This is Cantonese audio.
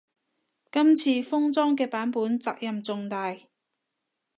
今次封裝嘅版本責任重大